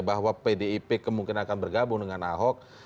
bahwa pdip kemungkinan akan bergabung dengan ahok